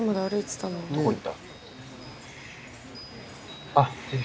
どこ行った？あっ。